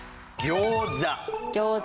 餃子。